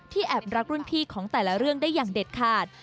แอบรักรุ่นพี่ของแต่ละเรื่องได้อย่างเด็ดขาด